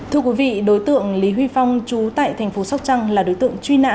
thưa quý vị đối tượng lý huy phong chú tại thành phố sóc trăng là đối tượng truy nã